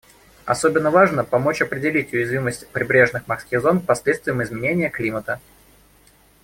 Особенно важно помочь определить уязвимость прибрежных морских зон к последствиям изменения климата.